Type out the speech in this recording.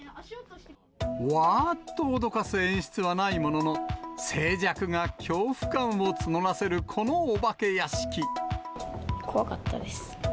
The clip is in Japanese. わーっと脅かす演出はないものの、静寂が恐怖感を募らせる、このお怖かったです。